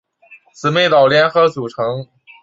姊妹岛联合组成。